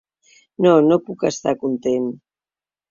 No, no puc estar content.